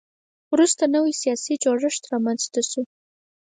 وروسته نوی سیاسي جوړښت رامنځته شو